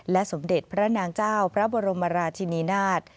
สมเด็จพระนางเจ้าพระบรมราชินีนาฏ